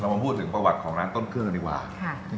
มาพูดถึงประวัติของร้านต้นเครื่องกันดีกว่า